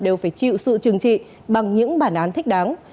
đều phải chịu sự trừng trị bằng những bản án thích đáng